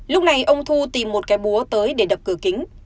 lúc này ông thu tìm một cái búa tới để đập cửa kính